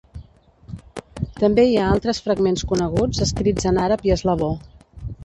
També hi ha altres fragments coneguts escrits en àrab i eslavó.